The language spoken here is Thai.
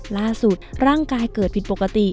ล่าสุดร่างกายเกิดผิดปกติ